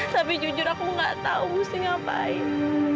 tapi jujur aku gak tahu mesti ngapain